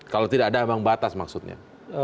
kalau tidak ada ambang batas maksudnya